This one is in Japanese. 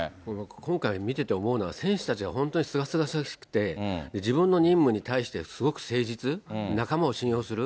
今回見てて思うのは、選手たちが本当にすがすがしくて、自分の任務に対してすごく誠実、仲間を信用する。